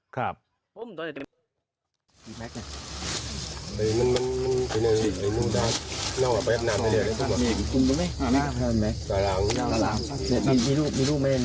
ครับ